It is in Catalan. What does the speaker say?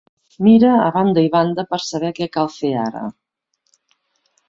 Mira a banda i banda per saber què cal fer ara.